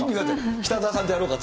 北澤さんとやろうかって。